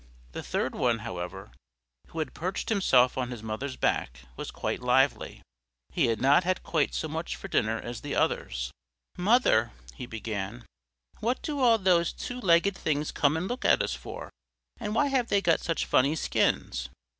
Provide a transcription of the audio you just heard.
The third one however, who had perched himself on his mother's back, was quite livety: he had not had quite so much for dinner as the others. "Mother," he began, "what do all these two legged things come and look at us for? And why have they got such funny skins?